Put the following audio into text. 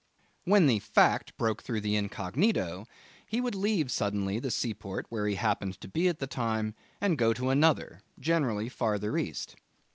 When the fact broke through the incognito he would leave suddenly the seaport where he happened to be at the time and go to another generally farther east.